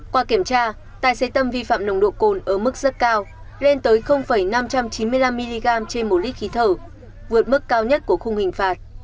qua kiểm tra tài xế tâm vi phạm nồng độ cồn ở mức rất cao lên tới năm trăm chín mươi năm mg trên một lít khí thở vượt mức cao nhất của khung hình phạt